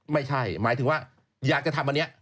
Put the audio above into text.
ไม่ใช่หมายถึงว่าอยากจะทำอันเนี้ย